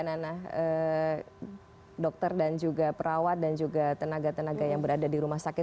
karena dokter dan juga perawat dan juga tenaga tenaga yang berada di rumah sakit